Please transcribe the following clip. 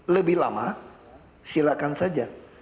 lebih lama silakan saja